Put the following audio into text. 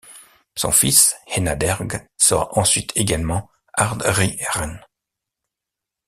Son fils Énna Derg sera ensuite également Ard ri Erenn.